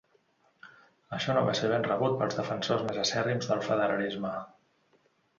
Això no va ser ben rebut pels defensors més acèrrims del federalisme.